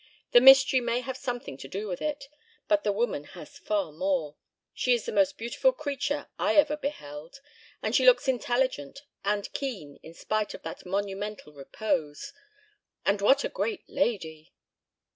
The mystery may have something to do with it, but the woman has far more. She is the most beautiful creature I ever beheld and she looks intelligent and keen in spite of that monumental repose. And what a great lady!"